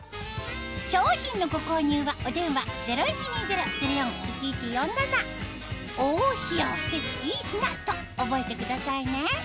商品のご購入はお電話０１２０−０４−１１４７と覚えてくださいね